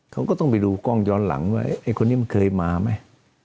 เขาก็ต้องไปดูกล้องย้อนหลังว่าไอ้คนนี้มันเคยมาไหม